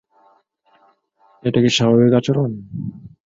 এটা কি স্বাভাবিক আচরণ?